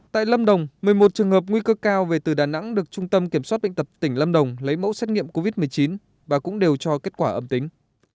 tại lâm đồng một mươi một trường hợp nguy cơ cao về từ đà nẵng được trung tâm kiểm soát bệnh tật tỉnh lâm đồng lấy mẫu xét nghiệm covid một mươi chín và cũng đều cho kết quả âm tính